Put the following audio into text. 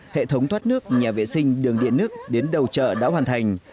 hệ thống thoát nước nhà vệ sinh đường điện nước đến đầu chợ đã hoàn thành